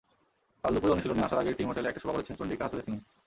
কাল দুপুরে অনুশীলনে আসার আগে টিম হোটেলে একটা সভা করেছেন চন্ডিকা হাথুরুসিংহে।